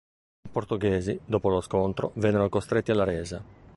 I portoghesi, dopo lo scontro, vennero costretti alla resa.